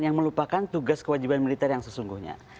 yang melupakan tugas kewajiban militer yang sesungguhnya